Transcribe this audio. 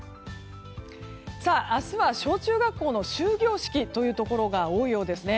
明日は小中学校の終業式というところが多いようですね。